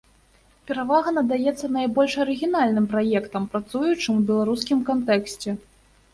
Перавага надаецца найбольш арыгінальным праектам, працуючым у беларускім кантэксце.